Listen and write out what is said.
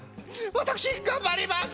私頑張ります！